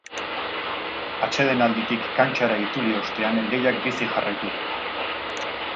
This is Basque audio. Atsedenalditik kantxara itzuli ostean, lehiak bizi jarraitu du.